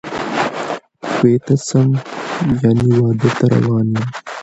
توی ته څم ،یعنی واده ته روان یم